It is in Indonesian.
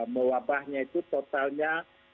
mewabahnya itu totalnya